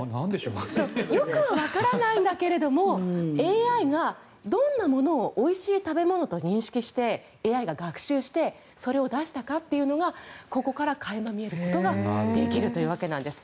よくわからないんだけどもＡＩがどんなものをおいしい食べ物と認識してＡＩが学習してそれを出したかというのがここから垣間見えることができるというわけなんです。